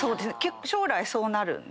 将来そうなるんで。